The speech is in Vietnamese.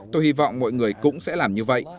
tôi hy vọng mọi người cũng sẽ làm như vậy